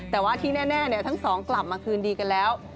แต่ว่าที่แน่ทั้งสองกลับมาคืนดีกันแล้ว